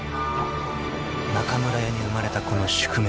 ［中村屋に生まれた子の宿命］